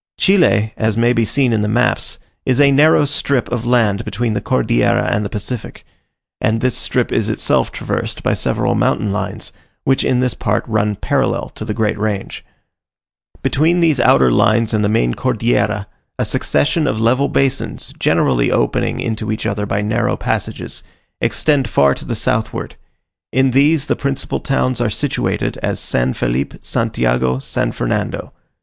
Chile, as may be seen in the maps, is a narrow strip of land between the Cordillera and the Pacific; and this strip is itself traversed by several mountain lines, which in this part run parallel to the great range. Between these outer lines and the main Cordillera, a succession of level basins, generally opening into each other by narrow passages, extend far to the southward: in these, the principal towns are situated, as San Felipe, Santiago, San Fernando.